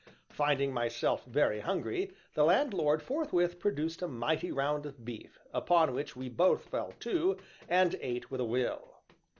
Finding myself very hungry, the landlord forthwith produced a mighty round of beef, upon which we both fell to, and ate with a will.